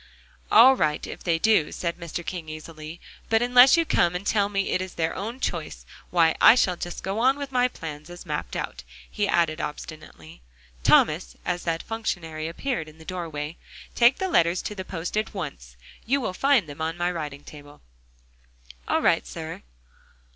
"All right if they do," said Mr. King easily, "but unless you come and tell me it is their own choice, why, I shall just go on with my plans as mapped out," he added obstinately. "Thomas," as that functionary appeared in the doorway, "take the letters to the post at once; you will find them on my writing table." "All right, sir."